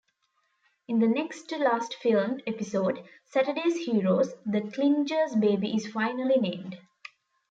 In the next-to-last filmed episode, "Saturday's Heroes", the Klingers' baby is finally named.